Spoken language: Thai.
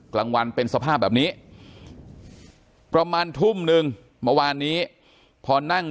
กลางวันเป็นสภาพแบบนี้ประมาณทุ่มนึงเมื่อวานนี้พอนั่ง